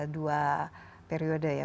dua periode ya